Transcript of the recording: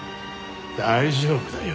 大丈夫だよ。